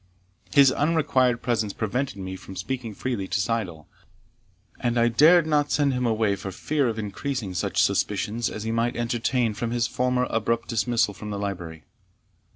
His unrequired presence prevented me from speaking freely to Syddall, and I dared not send him away for fear of increasing such suspicions as he might entertain from his former abrupt dismissal from the library.